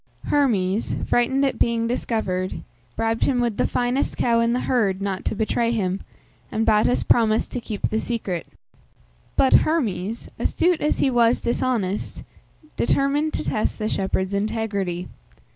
Hermes, frightened at being discovered, bribed him with the finest cow in the herd not to betray him, and Battus promised to keep the secret. But Hermes, astute as he was dishonest, determined to test the shepherd's integrity.